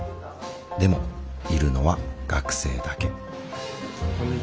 でもいるのは学生だけ。